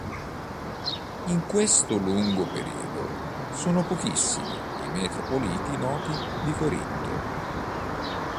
In questo lungo periodo sono pochissimi i metropoliti noti di Corinto.